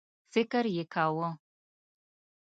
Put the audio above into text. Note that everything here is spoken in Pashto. فکر یې کاوه.